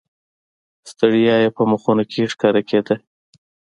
ستړیا یې په مخونو کې ښکاره کېده.